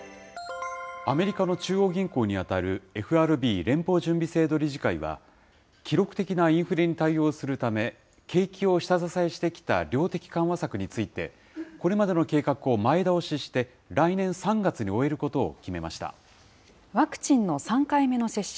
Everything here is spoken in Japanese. アメリカの中央銀行に当たるＦＲＢ・連邦準備制度理事会は、記録的なインフレに対応するため、景気を下支えしてきた量的緩和策について、これまでの計画を前倒しして来年３月に終えることを決ワクチンの３回目の接種。